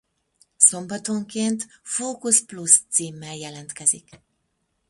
Szombatonként Fókusz Plusz címmel jelentkezik.